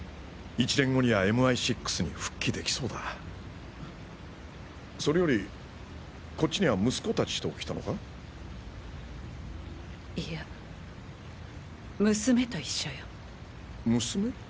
１年後にはＭＩ６に復帰できそうだそれよりこっちには息子たちと来たのいや娘と一緒よ娘？